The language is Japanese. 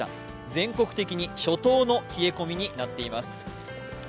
全国的に初冬の冷え込みになっています。